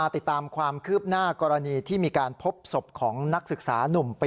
ติดตามความคืบหน้ากรณีที่มีการพบศพของนักศึกษานุ่มปี๒